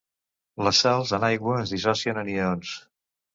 Les sals en aigua es dissocien en ions.